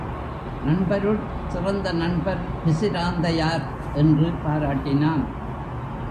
நண்பருட் சிறந்த நண்பர் பிசிராந்தையார்! என்று பாராட்டினான்.